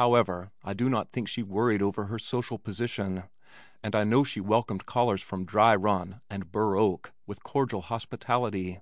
However, I do not think she worried over her social position and I know she welcomed callers from Dry Run and Burr Oak with cordial hospitality.